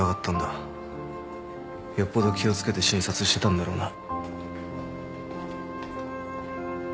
よっぽど気を付けて診察してたんだろうな。